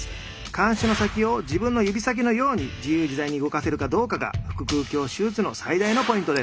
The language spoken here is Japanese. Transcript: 鉗子の先を自分の指先のように自由自在に動かせるかどうかが腹腔鏡手術の最大のポイントです。